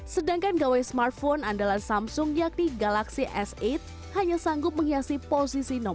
sedangkan gawai smartphone andalan samsung yakni galaxy s delapan hanya sanggup menghiasi posisi nomor satu